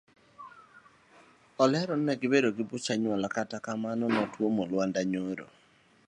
Olero ni ne gibedo kod buch anyuola ewachno makata kamano ne otuomo lwanda nyoro.